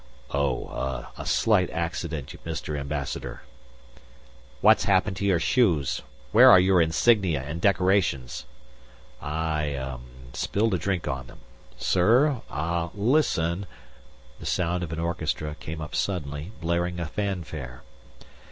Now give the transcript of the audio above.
"Oh ... ah ... a slight accident, Mr. Ambassador." "What's happened to your shoes? Where are your insignia and decorations?" "I ah spilled a drink on them. Sir. Ah listen...." The sound of an orchestra came up suddenly, blaring a fanfare.